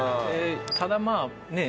ただまあね